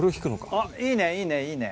あっいいねいいねいいね。